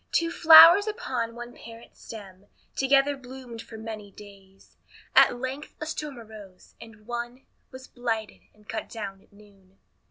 Two flowers upon one parent stem Together bloomed for many days. At length a storm arose, and one Was blighted, and cut down at noon.